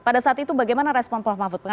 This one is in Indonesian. pada saat itu bagaimana respon prof mahfud